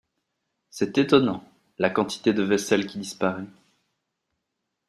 C’est étonnant, la quantité de vaisselle qui disparaît…